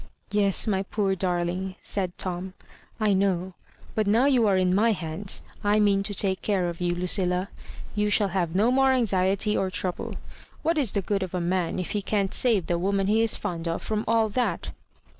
" "Yes, my poor darling," said Tom, "I know; but now you are in my hands I mean to take care of you, Lucilla; you shall have no more anxiety or trouble. What is the good of a man if he can't save the woman he is fond of from all that?"